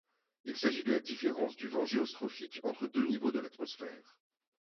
Il s'agit de la différence du vent géostrophique entre deux niveaux de l'atmosphère.